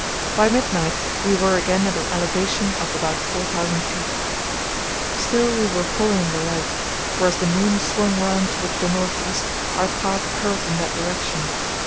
By midnight we were again at an elevation of about 4000 ft. Still we were following the light, for as the moon swung round towards the north east, our path curved in that direction.